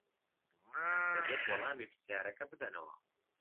دەبێت وەڵامی پرسیارەکە بدەنەوە.